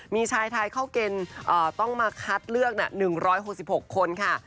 มีชายไทยเข้าเกณฑ์ต้องมาคัดเลือก๑๖๖คนค่ะ